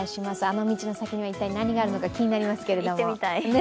あの道の先に一体、何があるのか気になりますけども。